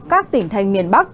các tỉnh thành miền bắc